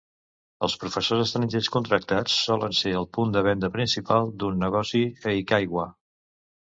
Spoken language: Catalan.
Els professors estrangers contractats solen ser el punt de venda principal d"un negoci eikaiwa.